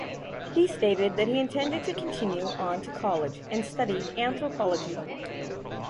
He stated that he intended to continue on to college and study anthropology.